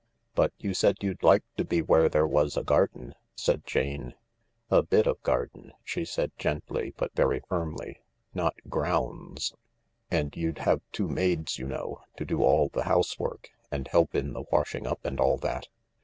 " But you said you'd like to be where there was a garden," said Jane. 41 A bit of garden," she said gently, but very firmly, " not grounds." "And you'd have two maids, you know, to do all the housework, and help in the washing up and all that."